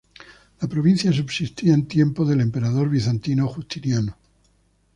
La provincia subsistía en tiempos del emperador bizantino Justiniano.